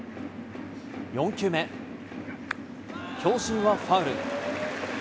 ４球目。はファウル。